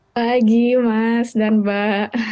pagi mas dan mbak